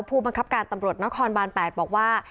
ผู้บังคับการตำรวจนครบาน๘บอกว่า